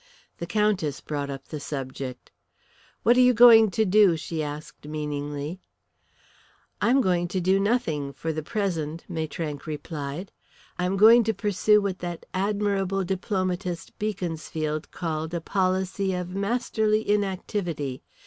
The Countess brought up the subject. "What are you going to do?" she asked meaningly. "I am going to do nothing for the present." Maitrank replied. "I am going to pursue what that admirable diplomatist Beaconsfield called a policy of masterly inactivity.